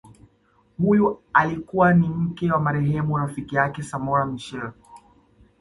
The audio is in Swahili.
Huyu alikuwa ni mke wa marehemu rafiki yake Samora Machel